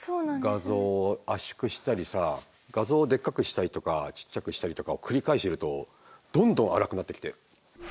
画像を圧縮したりさ画像をでっかくしたりとかちっちゃくしたりとかを繰り返してるとどんどん粗くなってきて。